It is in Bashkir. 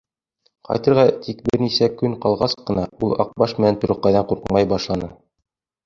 Ҡайтырға тик бер нисә көн ҡалғас ҡына ул Аҡбаш менән Турыҡайҙан ҡурҡмай башланы.